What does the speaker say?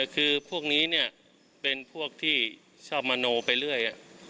คือพวกนี้เป็นพวกที่ชอบมโนไปเรื่อย